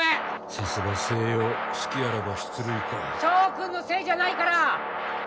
さすが星葉隙あらば出塁か翔くんのせいじゃないから！